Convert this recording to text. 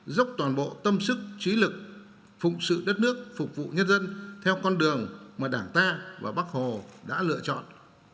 dốc toàn bộ tâm sức trí lực phụng sự đất nước phục vụ nhân dân theo con đường mà đảng ta và bắc hồ đã lựa chọn